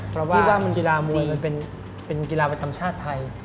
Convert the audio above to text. เพราะว่ากีฬามวยเป็นกีฬาประชาติไทย